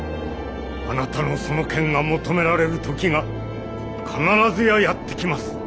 あなたのその剣が求められる時が必ずややってきます。